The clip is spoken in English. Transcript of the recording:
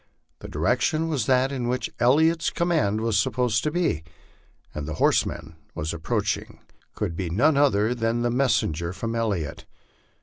The direction was that in which Elliot's command was supposed to be, and the horseman approaching could be none other than a messenger from Elliot.